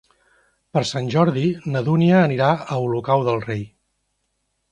Per Sant Jordi na Dúnia anirà a Olocau del Rei.